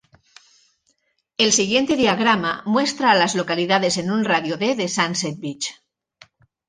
El siguiente diagrama muestra a las localidades en un radio de de Sunset Beach.